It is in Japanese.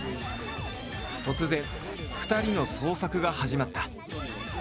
突然２人の創作が始まった。